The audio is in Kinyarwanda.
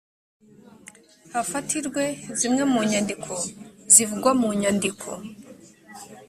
hafatirwe zimwe mu nyandiko zivugwa munyandiko